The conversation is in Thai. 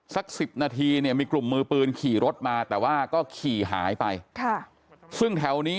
สัก๑๐นาทีเนี่ยมีกลุ่มมือปืนขี่รถมาแต่ว่าก็ขี่หายไปค่ะซึ่งแถวนี้